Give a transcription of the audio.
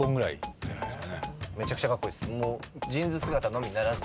めちゃくちゃカッコイイっす。